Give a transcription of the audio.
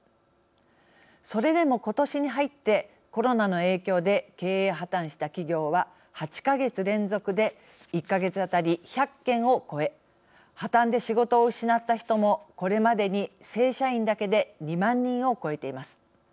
それでも今年に入ってコロナの影響で経営破綻した企業は８か月連続で１か月あたり１００件を超え破綻で仕事を失った人もこれまでに正社員だけで２万人を超えています。